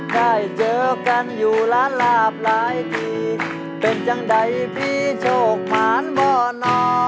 ได้เจอกันอยู่ร้านลาบหลายทีเป็นจังใดพี่โชคผ่านบ่อนอ